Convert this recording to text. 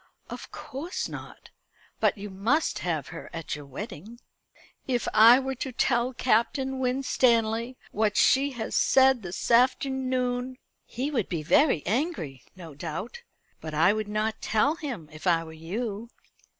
"Of course not; but you must have her at your wedding." "If I were to tell Captain Winstanley what she has said this afternoon " "He would be very angry, no doubt. But I would not tell him if I were you."